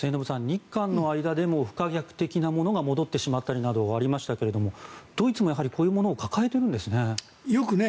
日韓の間でも不可逆的なものが戻ってしまったりなどありましたがドイツもこういうものを抱えているんですね。